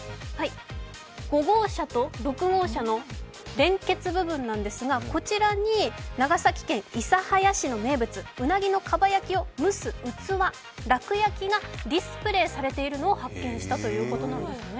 ５号車と６号車の連結部分なんですが、こちらに長崎県諫早市の名物、うなぎのかば焼きを蒸す器、楽焼がディスプレーされているのを発見したということなんですね。